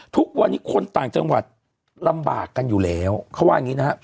ทุกวันนี้คนต่างจังหวัดลำบากกันอยู่แล้วเขาว่าอย่างนี้นะครับ